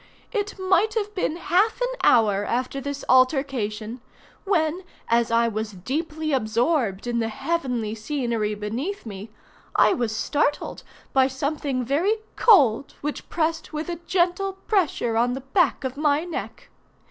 It might have been half an hour after this altercation when, as I was deeply absorbed in the heavenly scenery beneath me, I was startled by something very cold which pressed with a gentle pressure on the back of my neck.